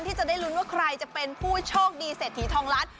ที่จะได้ลุ้นว่าใครจะเป็นผู้โชคดีเศรษฐีทองล้าน